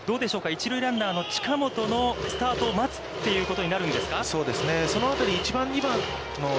一塁ランナーの近本のスタートを待つということになるんですか。